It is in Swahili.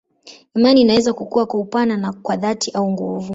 Imani inaweza kukua kwa upana na kwa dhati au nguvu.